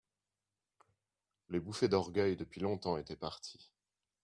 Les bouffées d'orgueil depuis longtemps étaient parties.